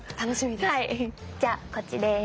じゃあこっちです。